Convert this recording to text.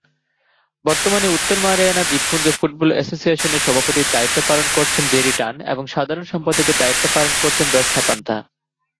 বর্তমানে উত্তর মারিয়ানা দ্বীপপুঞ্জ ফুটবল অ্যাসোসিয়েশনের সভাপতির দায়িত্ব পালন করছেন জেরি টান এবং সাধারণ সম্পাদকের দায়িত্ব পালন করছেন রস সাপান্তা।